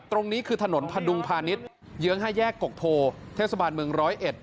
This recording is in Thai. ตรงนี้คือถนนพดุงพาณิชย์เยื้อง๕แยกกกโพเทศบาลเมืองร้อยเอ็ด